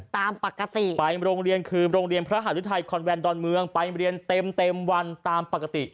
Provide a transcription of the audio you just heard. ตามปกติไปโรงเรียนคือโรงเรียนพระหารุทัยคอนแวนดอนเมืองไปเรียนเต็มเต็มวันตามปกติ